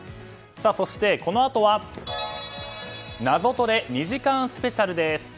そしてこのあとは「ナゾトレ」２時間スペシャルです。